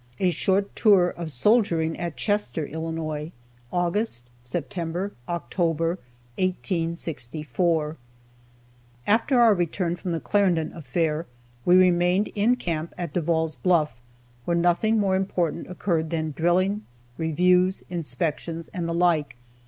A SHORT TOUR OF SOLDIERING AT CHESTER, ILLINOIS. AUGUST, SEPTEMBER, OCTOBER, 1864. After our return from the Clarendon affair, we remained in camp at Devall's Bluff, where nothing more important occurred than drilling, reviews, inspections, and the like.